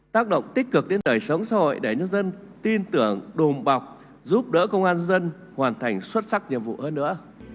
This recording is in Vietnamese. tác động tích cực đến đời sống xã hội để nhân dân tin tưởng đùm bọc giúp đỡ công an dân hoàn thành xuất sắc nhiệm vụ hơn nữa